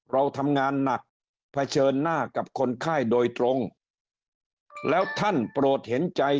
เราทำงานหนักเผชิญหน้ากับคนไข้โดยตรงแล้วท่านโปรดเห็นใจ